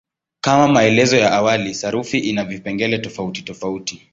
Kama maelezo ya awali, sarufi ina vipengele tofautitofauti.